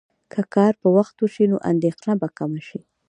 که کار په وخت وشي، نو اندېښنه به کمه شي.